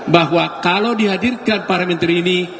bahwa kalau dihadirkan para menteri ini